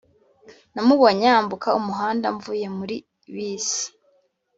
namubonye yambuka umuhanda mvuye muri bisi.